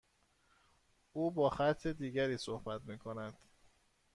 او با خط دیگری صحبت میکند.